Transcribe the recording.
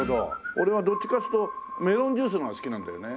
俺はどっちかっつうとメロンジュースの方が好きなんだよね。